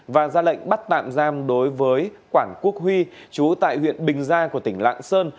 và ra lệnh bắt tạm giam đối với quản quốc huy chú tại huyện bình gia của tỉnh lạng sơn